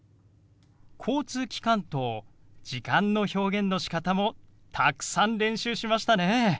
交通機関と時間の表現のしかたもたくさん練習しましたね。